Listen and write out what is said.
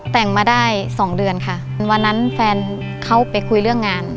แต่งมาได้สองเดือนค่ะวันนั้นแฟนเขาไปคุยเรื่องงาน